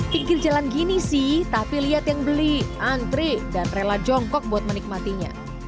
pinggir jalan gini sih tapi lihat yang beli antri dan rela jongkok buat menikmatinya